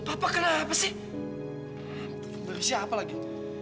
berusia apa lagi